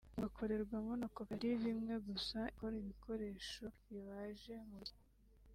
ubu gakorerwamo na koperative imwe gusa ikora ibikoresho bibaje mu biti